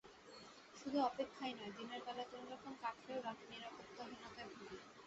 শুধু অপেক্ষাই নয়, দিনের বেলা কোনো রকম কাটলেও রাতে নিরাপত্তাহীনতায় ভুগি।